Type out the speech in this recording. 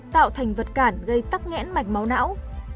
tạo thành vật cản gây tắc nghẽn mạch máu não